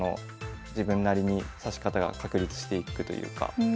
自分なりに指し方が確立していくというか。